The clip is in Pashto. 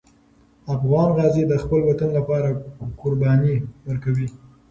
افغان غازي د خپل وطن لپاره قرباني ورکوي.